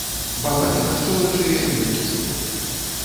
Багаты на шчолачы і амінакіслоты.